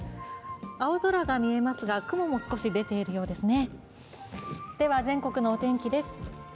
青空が見えますが、雲も少し出ているようですね。